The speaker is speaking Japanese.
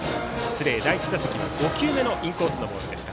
第１打席は５球目のインコースのボールでした。